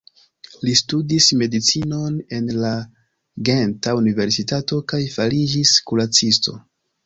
Li studis medicinon en la Genta Universitato kaj fariĝis kuracisto.